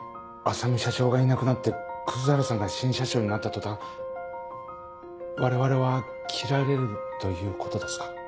浅海社長がいなくなって葛原さんが新社長になった途端我々は切られるということですか？